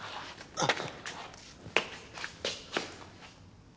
あっ。